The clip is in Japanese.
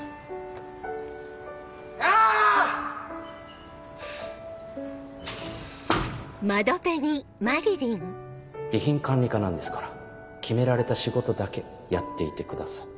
あぁ‼備品管理課なんですから決められた仕事だけやっていてください